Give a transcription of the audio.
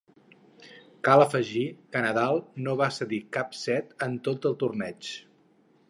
Cal afegir que Nadal no va cedir cap set en tot el torneig.